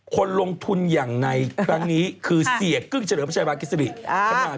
คนลงทุนอย่างในครั้งนี้คือเสียกึ้งเฉลิมพระชัยวากิสริ